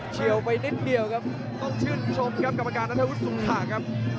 เชี่ยวไปนิดเดียวครับต้องชื่นชมครับกรรมการนัทวุฒิสุขะครับ